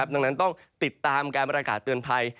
ดังนั้นต้องติดตามการประกาศเตือนภัย